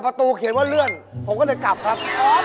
อ๋อประตูเขียนว่าเลื่อนก็เลยกลับ